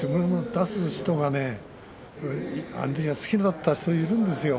出すのが好きだった人がいるんですよ。